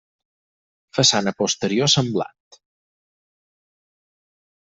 Façana posterior semblant.